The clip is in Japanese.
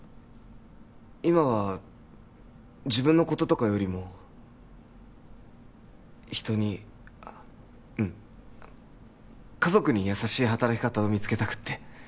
今は自分のこととかよりも人にうん家族に優しい働き方を見つけたくって